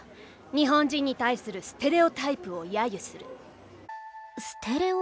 日本人に対する「ステレオタイプ」を揶揄する。